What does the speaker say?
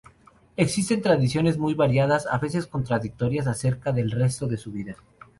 Existen tradiciones, muy variadas, a veces contradictorias, acerca del resto de su vida.